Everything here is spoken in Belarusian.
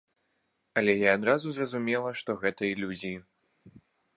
Але я адразу зразумела, што гэта ілюзіі.